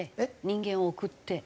人間を送って？